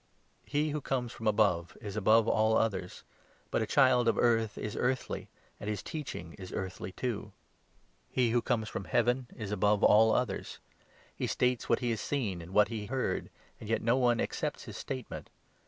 He who comes from above is above all others ; but a child 31 of earth is earthly, and his teaching is earthly, too. He who 13 Prov. 30. 4. JOHN, 8 4. 171 comes from Heaven is above all others. He states what he 32 has seen and what he heard, and yet no one accepts his state ment.